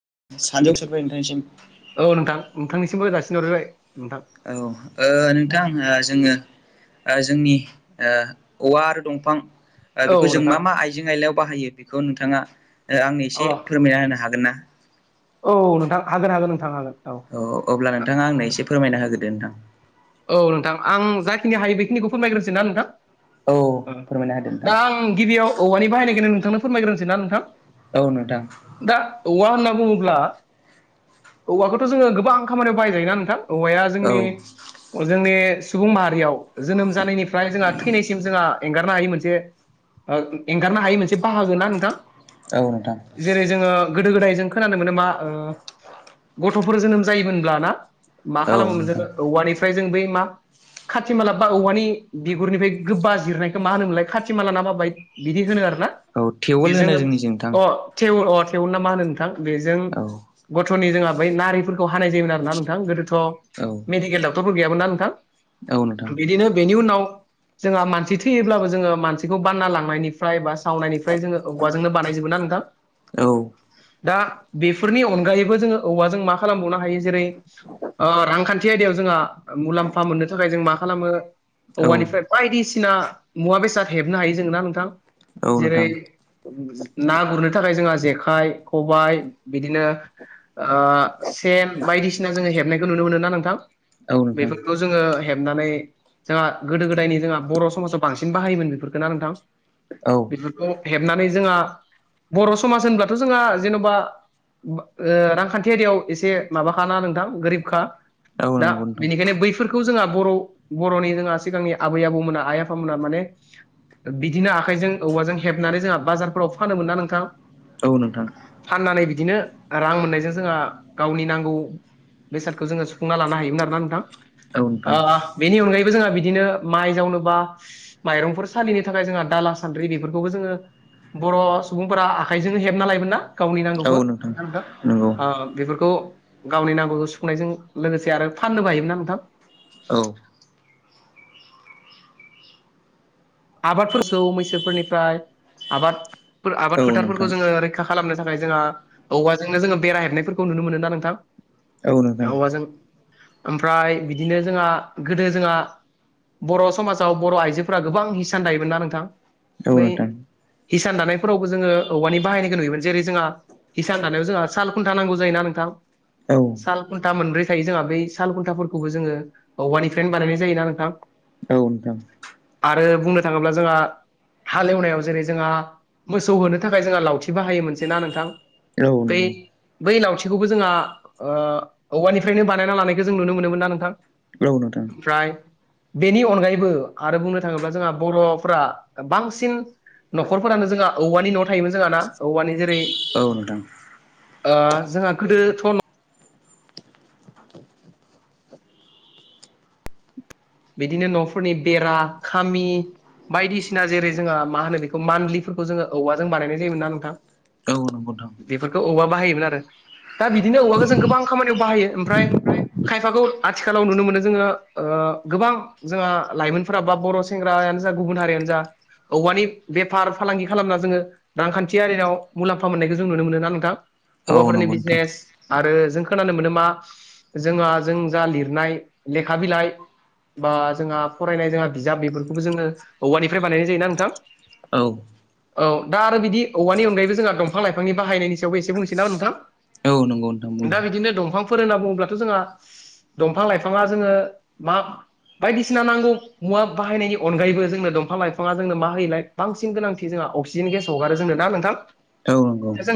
[unintelligible] सिमबो जासिहरबाय नोंथां औ ओ नोंथां जोङो ओ जोंनि ओ औवा आरो दंफां औ बेखौ जों नोंथां मा मा आइजें आइलायाव बाहायो बेखौ नोंथाङा आंनो अ एसे फोरमायना होनो हागोन ना? औ नोंथां हागोन हागोन नोंथां हागोन। औ अ अब्ला नोंथाङा आंनो एसे फोरमायना होग्रोदो नोंथां औ नोंथां आं जाखिनि हायो बेखिनिखौ फोरमायग्रोसै ना नोंथां। औ फोरमायना होदो दा आं गिबियाव औवानि बाहायनायखौनो नोंथांनो फोरमायग्रोनोसै ना नोंथां नोंथां दा औवा बुङोब्ला औवाखौथ' जोङो गोबां खामानियाव बाहायजायोना नोंथां। औवाया औ नोंथां औ जोंनि जोंनि सुबुं माहारियाव जोनोम जानायनिफ्राय जोंहा थैनायसिम जोंहा एंगारनो हायि मोन जे एंगारनो हायै मोनसे बाहागो ना नोंथां औ नोंथां जेरै जोङो गोदो गोदाय जों खोनानो मोनो मा ओ गथ'फोर जोनोम जायोमोनब्ला ना। मा औ खालामोमोन नोंथां जोङो औवानिफ्राय जों बै मा खाथि माला बा औवानि बिगुरनिफ्राय गोबा जिरनायखौ मा होनोमोनलाय खाथि माला ना माबाय बिदि होनो आरो ना औ टेवोल बेजों होनो जोंनिजों नोंथां अ थे अ थेवोल ना मा होनो नोंथां बेजों औ गथ'नि जोंहा बै नारिफोरखौ हानाय जायोमोन आरो ना नोंथां गोदो। औ थ' मेडिकेल ड'क्टरफोर गैयामोन ना नोंथां औ नोंथां बिदिनो बेनि उनाव। जोंहा मानसि थैयोब्लाबो जोङो मानसिखौ बानना लांनायनिफ्राय बा। सावनायनिफ्राय जोङो औवाजोंनो बानायजोबो ना नोंथां। औ दा बेफोरनि अनगायैबो जोङो औवाजों मा खालामबावनो हायो जेरै ओ रांखान्थि आयदायाव जोंहा मुलाम्फा मोननो थाखाय जों मा खालामो औ औवानिफ्राय बायदिसिना। सिना मुवा बेसाद हेबनो हायो जों ना नोंथां औ जेरै नोंथां ना गुरनो। थाखाय जोंहा जेखाइ खबाय बिदिनो ओ सेन बायदिसिना जोङो हेबनायखौ नुनो मोनो ना नोंथां। औ नोंथां बेफोरखौ जोङो हेब नानै जोंहा गोदो गोदायनि जोंहा बर' समाजाव बांसिन बाहायोमोन बेफोरफोरखौ ना नोंथां। औ बेफोरखौ हेबनानै जोंहा बर' समाज होनब्लाथ' जोंहा जेन'बा ओ रांखान्थि‌ आयदायाव एसे माबाखाना नोंथां गोरिबखा। दा नंगौ नोंथां बेनिखायनो बैफोरखौ बेखौ जोंहा बर' बर'नि जोंहा सिगांनि आबै आबौमोना आइ आफामोना माने बिदिनो आखाइजों औवाजों हेबनानै जोंहा बाजारफोराव फानोमोनना नोंथां। औ नोंथां। फाननानै बिदिनो रां मोननायजों जोंहा गावनि नांगौ बेसादखौ जोङो सुफुंना लानो हायोमोन आरोना। औ ओ नोंथां बेनि अनगायै। जोंहा बिदिनो माइ जावनोबा माइरंफोर सालिनो थाखाय जोंहा दाला सान्द्रि बेफोरखौबो जोङो। बर' सुबुंफोरा आखाइजोंनो हेबना लायोमोन ना गावनि नांगौखौ ना नोंथां। नंगौ ओ बेफोरखौ गावनि नांगौखौ सुफुंनायजों लोगोसे आरो फाननोबो हायो। [unintelligible] थां। औ आबादफोरखौ मैसोफोरनिफ्राय आबाद आबाद औ नोंथां फोथारफोरखौ जोङो रैखा खालामनो थाखाय जोंहा औवाजोंनो जोङो बेरायहेबनायफोरखौ नुनो मोनो नोंथां? औ नोंथां औवाजों ओमफ्राय बिदिनो जोंहा गोदो जोंहा बर' समाजाव बर' आइजोफोरा गोबां हिसान दायोमोन ना नोंथां औ बै नोंथां। हिसान दानायफोरावबो जोङो औवानि बाहायनोखौ नुयोमोन जेरै जोंहा हिसान दानायाव जोंहा साल खुन्था नांगौ जायो ना थां औ सालखुनथा मोनब्रै थायो जोंहा बै सालखुनथाफोरखौबो जोङो औवानिफ्रायनो बानायनाय जायो ना नोंथां। औ। आरो बुंनो थाङोब्ला जोंहा। हालेवनायाव जेरै जोंहा मोसौ होनो थाखाय जोंहा लावथि बाहायो मोनसे ना नोंथां। औ बै नंगौ। बै लावथिखौबो जोंहा ओ औवानिफ्रायनो बानायना लानायखौ जों नुनो मोनोमोन ना नोंथां। औ नोंथां। ओमफ्राय बेनि अनगायैबो आरो बुंनो थाङोब्ला जोंहा बर'फ्रा बांसिन न'खरफोरानो जोंहा औवानि न'वाव थायोमोन जोंहा ना औवानि जेरै औ नोंथां ओ जोंहा गोदोथ' बिदिनो न'फोरनि बेरा खामि बायदिसिना जेरै जोंहा मा होनो बेखौ मानलिफोर खौ जोङो औवाजों बानायनाय जायोमोन ना नोंथां। औ। नंगौ नोंथां बेफोरखौ औवा बाहायोमोन आरो दा बिदिनो औबवाखौ जों गोबां खामानियाव बाहायो ओमफ्राय खायफाखौ आथिखालाव नुनो मोनो जोङो ओ। गोबां जोंहा लाइमोनफोरा बा बर' सेंग्रायानो जा गुबुन हारियानो जा औवानि बेफार फालांगि खालामना जोङो रांखान्थि आरिनाव मुलाम्फा मोननायखौ जों नुनो मोनो ना नोंथां औ औवाफोरनि नंगौ नोंथां बिजनेस आरो जों खोनानो मोनो मा जोंहा जों जा लिरनाय लेखा बिलाइ बा जोंहा फरायनाय जोंहा बिजाब बेफोरखौबो जोङो औवानिफ्राय बानायनाय जायोना नोंथां औ औ दा आरो बिदि औवानि अनगायैबो जोंहा दंफां लाइफांनि बाहायनायनि सायावबो एसे बुंसै नामा नोंथां। औ नंगौ नोंथां दा बुंदों। बिदिनो दंफांफोर होनना बुङोब्लाथ' जोंहा दंफां लाइफाङा जोङो मा बायदिसिना नांगौ मुवा बाहायनायनि अनगायैबो जोंनो दंफां लाइफाङा जोंनो मा होयोलाय बांसिन गोनांथि जोंहा अक्सिजेन गेस हगारो जोंनो दा नोंथां? औ नंगौ दा जों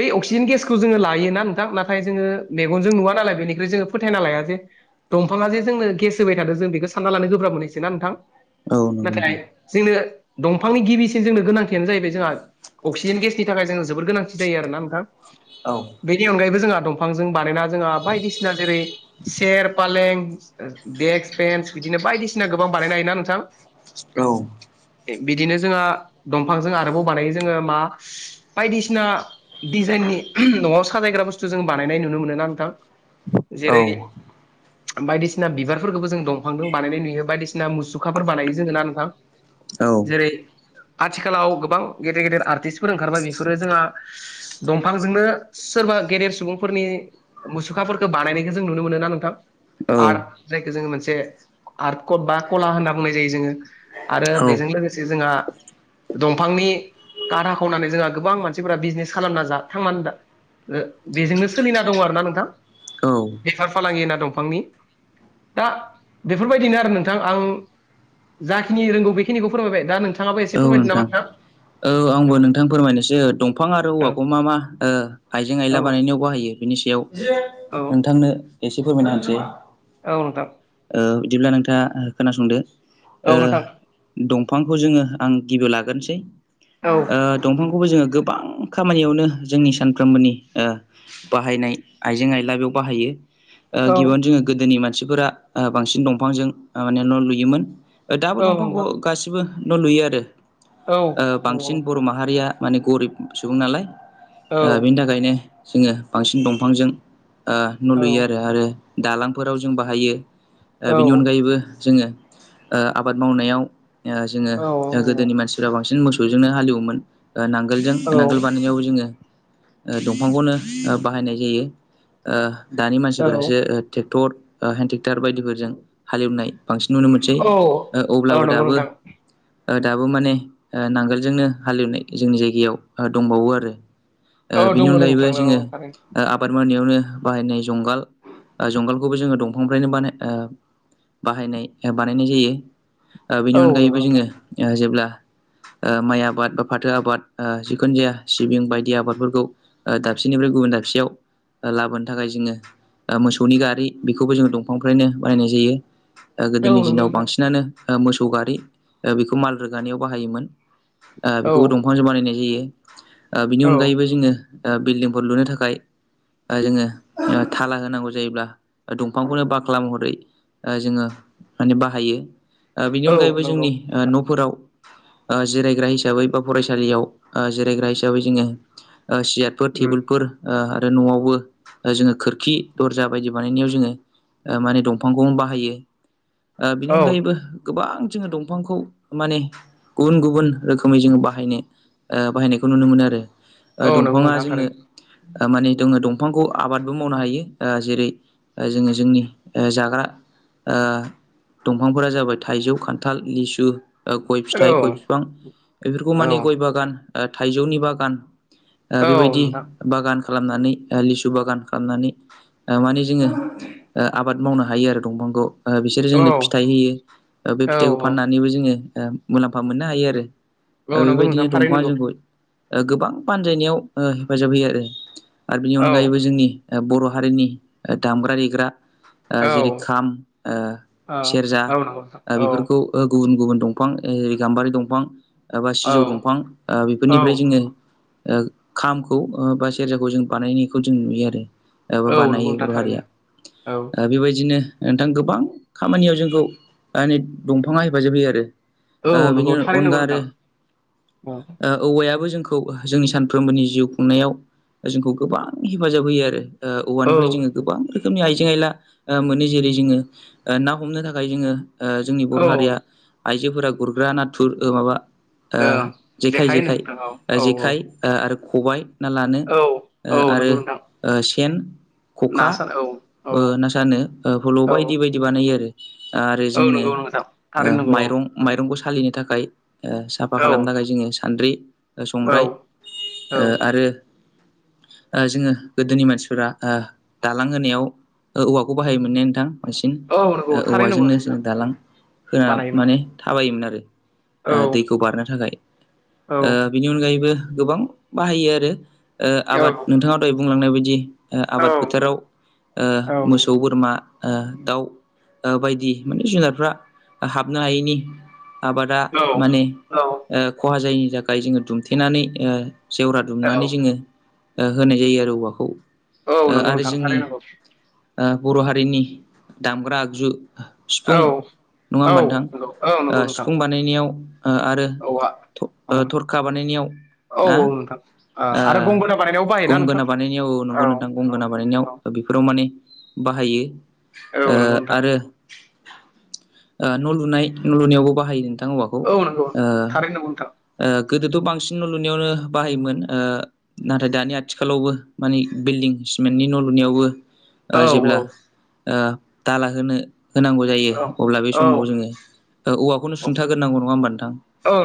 बे अक्सिजेन गेसखौ जोङो लायोना नोंथां नाथाय जोङो मेगनजों नुवा नालाय बेनिख्रुइ जों जों फोथायना लाया जे दंफाङा जे जोंनो गेस होबाय थादों जों बेखौ सानना लानो गोब्राब मोनहैसै ना नोंथां? औ नंगौ नाथाय नोंथां जोंनो दंफांनि गिबिसिन जोंनो गोनांथियानो जाहैबाय जोंहा अक्सिजेन गेसनि थाखाय जोंङो जोबोर गोनांथि जायो आरोना नोंथां। औ बेनि अनगायैबो जोंहा दंफांजों बानायना जोंहा बायदिसिना जेरै सेर, फालें देक्स, बेन्स बिदिनो बायदिसिना गोबां बानायनो हायोना नोंथां बिदिनो जोंहा दंफांजों आरोबाव बानायो जोङो मा बायदिसिना दिजा इननि न'आव सायग्रा बुस्थु जों बानायनाय नुनो मोनोना नोंथां औ जेरै बायदिसिना बिबार बेफोरखौबो जों दंफांदों बानायनाय नुयो बायदिसिना मुसुखाफोर बानायो जोङो ना नोंथां जेरै आथिखालाव गोबां गेदेर गेदेर आर्टिस्टफोर ओंखारबाय बेफोरो जोंहा दंफांजोंनो सोरबा गेदेर सुबुंफोरनि मुसुखाफोरखौ बानायनायखो जों नुनो मोनो ना नोंथां औ आर्थ जायखौ जोङो मोनसे आर्ट कड बा कला होनना बुंनाय जायो जोङो आरो औ बेजों लोगोसे जोंहा दंफांनि कारा खनानै जोंहा गोबां मानसिफोरा बिजनेस खालामना जा थांनानै दा बेजोंनो सोलिना दङ' आरो ना नोंथां औ बेफार फालांगि होना दंफांनि दा बेफोर बायदिनो आरो नोंथां आं जाखिनि रोंगौ बेखिनिखौ फोरमायबाय दा नों थाङोबो एसे नोंथां फोरमायदों नामा नोंथां औ आंबो नोंथां फोरमायनोसै दंफां आरो औ औवाखौ मा मा ओ आइजें औ आयला बानायनायाव बाहायो बेफोरनि सायाव औ नोंथांनो एसे फोरमायनो होनसै औ नोंथां ओ बिदिब्ला नोंथाङा खोनासंदो ओ औ नोंथां दंफांखौ जोङो आं गिबि लाग्रोनोसै औ ओ दंफां खौबो जोङो गोबां खामानियावनो जोंनि सानफ्रोमबोनि ओ बाहायनाय आइजें आइला बेयाव बाहायो ओ औ गिबियावनो जोङो गोदोनि मानसिफोरा बांसिन दंफांजों माने न' लुयोमोन दाबो औ दंफांखौ नोंथां गासिबो न' लुयो आरो औ ओ औ बांसिन बर' माहारिया माने गरिब सुबुं नालाय औ बेनि थाखायनो जोङो बांसिन दंफांजों ओ न' लुयो आरो आरो दालांफोराव जों बाहायो औ बेनि अनगायैबो जोङो आबाद ओ मावनायाव ओ जोङो औ नंगौ जोंनि मानसिफ्रा बांसिन मोसौजोंनो हालएवोमोन नांगोलजों औ नांगोल बानायनायाव जोङो दंफांखौनो बाहायनाय जायो ओ दानि औ मानसिफोरासो ट्रेक्टर हेन्द ट्रेक्टर बायदिफोरजों हालेवनाय बानसिन नुनो मोनसै औ अब्लाबो नंगौ दाबो नोंथां दाबो माने नांगोलजोंनो हालेवनाय जोंनि जायगायाव दंबावो आरो औ बिनि दङ अनगायैबो नोंथां औ जोङो थारैनो आबाद मावनाय नो बाहायनाय जुंगाल जुंगालखौबो जोङो दंफांनिफ्रायनो बानाय बाहायनाय बानायनाय जायो बेनि औ नंगौ अनगायैबो नोंथां जोङो जेब्ला माइ आबाद बा फाथो आबाद जिखुनु जाया सिबिं बायदि आबादफोरखौ दाबसेनिफ्राय गुबुन दाबसेयाव लाबोनो थाखाय जोङो मोसौनि गारि बेखौबो जोङो दंफांनिफ्रायनो बानायनाय जायो औ गोदोनि नंगौ दिनाव नोंथां बांसिनानो मोसौ गारि बेखौ माल रोगानायाव बाहायोमोन। औ बेखौबो दंफांजों बानायनाय जायो बिनि औ अनगायैबो जोङो बिल्डिंफोर लुनो थाखाय जोङो थाला होनांगौ जायोब्ला दंफांखौनो बाखाला महरै जोङो माने बाहायो बिनि औ अनगायैबो नंगौ जोंनि नोंथां न'फोराव जिरायग्रा हिसाबै बा फरायसालियाव जिरायग्रा हिसाबै जोङो सियारफोर उम टेबोलफोर आरो न'आवबो जोङो खोरखि दरजा बायदि बानायनायाव जोङो माने दंफांखौनो बाहायो बिनि औ अनगायैबो गोबां जोङो दंफांखौ माने गुबुन गुबुन रोखोमै जोङो बाहायनो बाहायनायखौ नुनो मोनो आरो औ नंगौ दंफाङा नोंथां जोंनो थारैनो माने जोङो दंफांखौ आबादबो मावनो हायो जेरै जोङो जोंनि जाग्रा दंफांफोरा जाबाय थाइजौ खान्थाल लिसु गय औ फिथाइ गय बिफां बेफोरखौ औ माने गय बागान थाइजौनि बागान ओ औ बेबायदि नोंथां बागान खालामनानै लिसु बागान खालामनानै माने जोङो आबाद मावनो हायो आरो दंफांखौ बिसोरो औ जोंनो फिथाइ होयो बे औ फिथाइखौ औ फाननानैबो जोङो मुलाम्फा मोननो हायो आरो दा औ नंगौ नोंथां बेबायदिनो थारैनो दंफाङा नंगौ जोंखौ गोबां बानजायनायाव हेफाजाब होयो आरो आरो बेनि औ अनगायैबो जोंनि बर' हारिनि दामग्रा देग्रा औ जेरै ओ खाम औ सेरजा नंगौ नोंथां औ बेफोरखौ गुबुन गुबुन दं दंफां गाम्बारि दंफां बा औ सिजौ दंफां औ बेफोरनिफ्राय जोङो खामखौ बा सेरजाखौ जों बानायनायखौ जों नुयो आरो एबा औ नंगौ बानायो नोंथां बर' थारैनो औ हारिया बेबायदिनो नोंथां गोबां खामानियाव जोंखौ माने दंफाङा हेफाजाब होयो आरो औ ओ बिनि नंगौ थारैनो नंगौ अनगा आरो नोंथां औ ओ औवायाबो जों खौ जोंनि सानफ्रोमबोनि जिउ खुंनायाव जोंखौ गोबां हेफाजाब होयो आरो ओ औ औवानिफ्राय जोङो गोबां रोखोमनि आइजें आयला मोनो जेरै जोङो ना हमनो थाखाय जोङो जोंनि औ बर' हारिया आइजोफोरा गुरग्रा नाथुर माबा ओ जेखाय जेखाइ होनो जेखाय नोंथां औ औ औ जेखाय ओ आरो खबाय ना लानो औ ओ औ आरो नंगौ नोंथां सेन ना खखा सान औ औ ओ ना सानो फल' औ बायदि बायदि बानायो आरो आरो औ जोंनि नंगौ नोंथां ओ थारैनो नंगौ औ माइरं सानफ्रोमबो सालायनो थाखाय ओ साफा औ खालामनो थाखाय जोङो सान्द्रि औ संग्राय औ ओ आरो [inaudible] ओ जोङो गोदोनि मानसिफोरा दालां होनायाव औवाखौ बाहायोमोनने नोंथां? बांसिन औ नंगौ ओ थारैनो नंगौ औवाजोंनो नोंथां जोङो औ दालां होना बानायोमोन माने थाबायोमोन आरो औ ओ दैखौ बारनो थाखाय औ बिनि अनगायैबो गोबां बाहायो आरो ओ औ आबाद नोंथाङा दहाय बुंलांनाय बायदि ओ औ आबाद फोथाराव औ मोसौ बोरमा दाउ बायदि माने जुनारफ्रा हाबनो हायैनि आबादा माने औ ओ खहा जायैनि थाखाय जोङो दुमथेनानै ओ जेवरा औ दुमनानै जोङो ओ होनाय जायो आरो औवाखौ औ ओ नंगौ आरो नोंथां जोंनि थारै नोंगौ ओ बर' हारिनि दामग्रा आगजु सिफुं औ नङा औ ओमबा नोंथां। नंगौ औ नंगौ नोंथां सिफुं बानायनायाव आरो औवा ओं थरखा बानायनायाव औ ना औ नोंथां ओ आरो गंगोना बानायनायाव बाहायोना नोंथां गंगोना बानायनायाव औ नंगौ नोंथां औ गंगोना औ बानायनायाव रमोनी बाहायो औ ओ नंगौ नोंथां आरो ओ न' लुनाय न' लुनायावबो बाहायो नोंथां औवाखौ औ नंगौ ओ थारैनो नंगौ नोंथां ओ गोदोथ' बांसिन न' लुनायावनो बाहायोमोन ओ ओ नाथाय दानि आथिखालावबो माने बिल्डं सिमेन्टनि न' लु नियावबो औ जेब्ला ओ दाला होनो होनांगौ जायो औ अब्ला बे समाव औ जोङो ओ औवाखौनो औ सुंथाग्रोनांगौ नङा होमबा नोंथां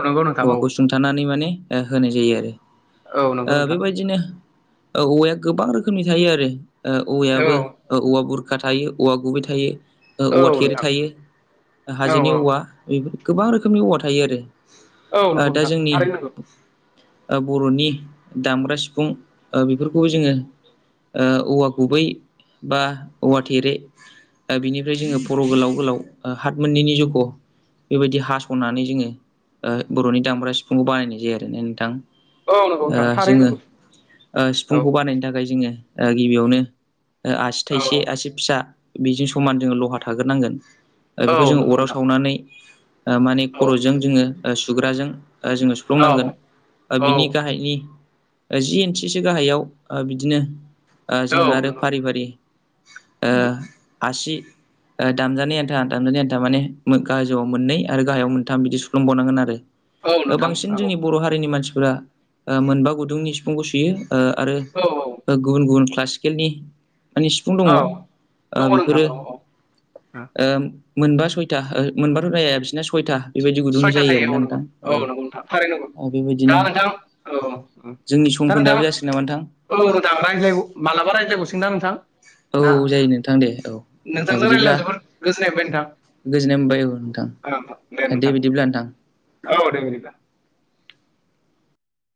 नंगौ नोंथां औ औवाखौ सुंथानानै माने होनाय जायो आरो औ नंगौ ओ नोंथां बेबायदिनो औवाया गोबां रोखोमनि थायो आरो। औ औवायाबो औवा बुरखा थायो औवा गुबै थायो। औ औवा थेरे नोंथां थायो औ हाजोनि औवा बेफोर गोबां रोखोमनि औवा थायो आरो। औ नंगौ दा नोंथां जोंनि थारैनो नंगौ बर'नि दामग्रा सिफुं बेफोरखौबो जोङो ओ औवा गुबै बा औवा थेरे बिनिफ्राय जोङो फर' गोलाव गोलाव हात मोननैनि जख' बेबायदि हास'नानै जोङो बर'नि दामग्रा सिफुंखौ बानायनाय जायो आरो ना नोंथां। औ नंगौ ओ नोंथां थारैनो जोङो नंगौ ओ औ सिफुंखौ बानायनो थाखाय जोङो गिबियावनो आसि औ थाइसे आसि फिसा बेजों समान जोङो लहा थाग्रोनांगोन औ बेखौ जोङो नंगौ अराव नोंथां सावनानै माने औ खर'जों जोङो सुग्राजों जोङो औ सुफ्लुंनांगोन औ बिनि गाहायनि जि इन्सिसो गाहायाव बिदिनो जों औ आरो नंगौ फारि फारि ओ आसि दामजानाय आन्था दामजानाय आन्था माने गोजौवाव मोननै आरो गाहायाव मोनथाम बिदि सुफ्लुंबावनांगोन आरो औ नोंथां बांसिन औ जोंनि औ बर' हारिनि मानसि फोरा मोनबा गुदुंनि सिफुंखौ सुयो आरो औ गुबुन गुबुन क्लासिकेलनि माने सिफुं दङ ओ औ दङ नोंथां बेफोरो औ औ ओ मोनबा सयथा ओ मोनबाथ' जाया बिसोरना सयथा। बिदि गुदुंनि सयथा जायो आरो थायो ना औ नंगौ नोंथां औ नंगौ नोंथां थारैनो नंगौ औ। बिदिनो दा नोंथां औ जोंनि सम दा नोंथां खोनदोआबो जासिगोन नामा नोथां? औ नोंथां रायज्लाय मालाबा रायज्लायबावसिगोनदां नोंथां? औ दा जायो नोंथां दे औ ओ नोंथांजों बिदिब्ला रायज्लायना जोबोद गोजोननाय मोनबाय नोंथां। गोजोननाय मोनबाय औ नोंथां दे बिदि औ दे बिदिब्ला।